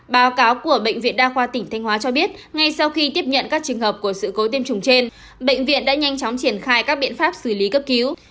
báo cáo của bệnh viện đa khoa tỉnh thanh hóa cho biết ngay sau khi tiếp nhận các trường hợp của sự cố tiêm chủng trên bệnh viện đã nhanh chóng triển khai các biện pháp xử lý cấp cứu